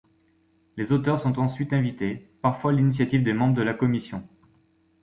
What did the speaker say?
Les auteurs sont ensuite invités, parfois à l'initiative des membres de la Commission.